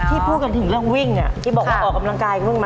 พูดกันถึงเรื่องวิ่งที่บอกว่าออกกำลังกายกับรุ่นไหม